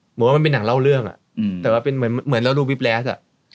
เหมือนว่ามันเป็นหนังเล่าเรื่องแต่ว่าเป็นเหมือนเราดูวิบแรส